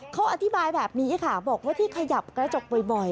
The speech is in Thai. เขาอธิบายแบบนี้ค่ะบอกว่าที่ขยับกระจกบ่อย